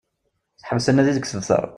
Seḥbes anadi deg usebter